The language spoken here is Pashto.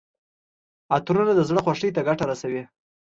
عطرونه د زړه خوښۍ ته ګټه رسوي.